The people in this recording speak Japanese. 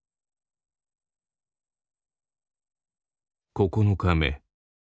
９日目。